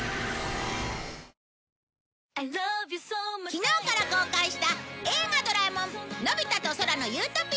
昨日から公開した『映画ドラえもんのび太と空の理想郷』